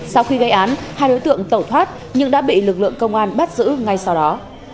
sau khi gây án hai đối tượng tẩu thoát nhưng đã bị lực lượng công an bắt giữ ngay sau đó